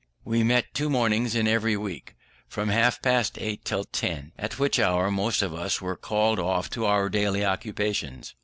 We met two mornings in every week, from half past eight till ten, at which hour most of us were called off to our daily occupations.